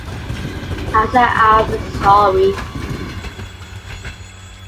I said I was sorry.